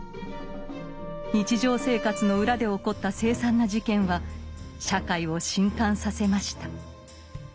日常生活の裏で起こった凄惨な事件は社会を震撼させました。